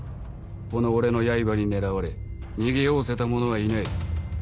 この俺の刃に狙われ逃げおおせた者はいない。